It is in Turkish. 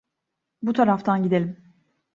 Bu taraftan gidelim.